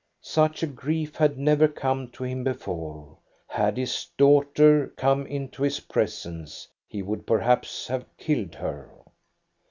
Such a grief had never come to him before. Had his daughter come into his presence, he would perhaps have killed her.